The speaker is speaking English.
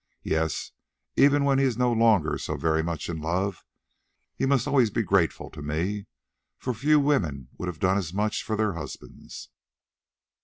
Yes, even when he is no longer so very much in love, he must always be grateful to me, for few women will have done as much for their husbands."